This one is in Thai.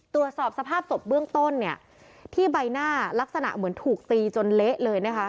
ตรวจสอบสภาพศพเบื้องต้นเนี่ยที่ใบหน้าลักษณะเหมือนถูกตีจนเละเลยนะคะ